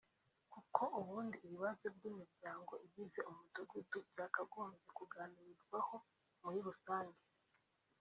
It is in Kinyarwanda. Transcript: kuko ubundi ibibazo by’imiryango igize umudugudu byakagombye kuganirwaho muri rusange